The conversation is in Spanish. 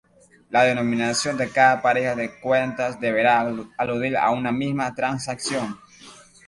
La denominación de cada pareja de cuentas deberá aludir a una misma transacción.